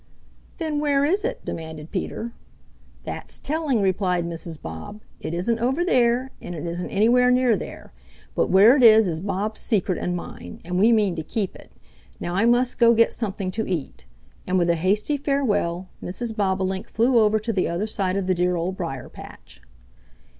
"Then where is it?" demanded Peter. "That's telling," replied Mrs. Bob. "It isn't over there, and it isn't anywhere near there. But where it is is Bob's secret and mine, and we mean to keep it. Now I must go get something to eat," and with a hasty farewell Mrs. Bobolink flew over to the other side of the dear Old Briar patch.